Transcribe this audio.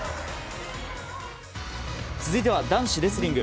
続いては男子レスリング。